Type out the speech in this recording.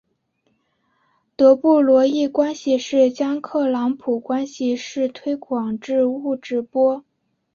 德布罗意关系式将普朗克关系式推广至物质波。